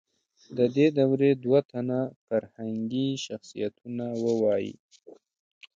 د دې دورې دوه تنه فرهنګي شخصیتونه ووایئ.